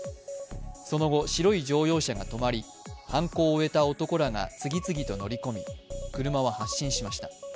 その後、白い乗用車が止まり、犯行を終えた男らが次々と乗り込み、車は発進しました。